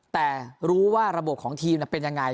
แต่รู้ว่าระบบของทีมเป็นยังไง